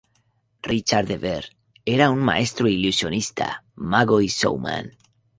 Richard De Vere era un maestro ilusionista, mago y showman.